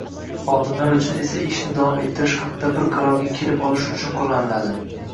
xodimlar uchun esa ishni davom ettirish haqida bir qarorga kelib olish uchun qo‘llaniladi.